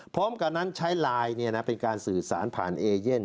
พร้อมกันนั้นใช้ไลน์เป็นการสื่อสารผ่านเอเย่น